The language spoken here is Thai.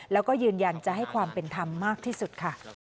แล้วก็ยืนยันจะให้ความเป็นธรรมมากที่สุดค่ะ